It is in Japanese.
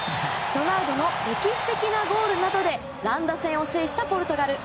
ロナウドの歴史的なゴールなどで乱打戦を制したポルトガル。